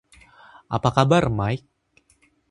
Apa kabar, Mike?